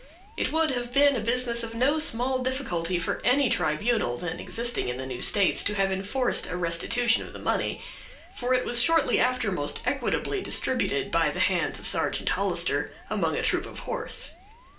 It would have been a business of no small difficulty for any tribunal then existing in the new states to have enforced a restitution of the money; for it was shortly after most equitably distributed, by the hands of Sergeant Hollister, among a troop of horse.